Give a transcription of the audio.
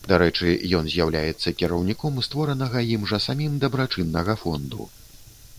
Дарэчы, ён з'яўляецца кіраўніком створанага ім жа самім дабрачыннага фонду.